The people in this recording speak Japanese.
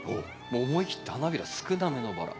もう思い切って花びら少なめのバラ。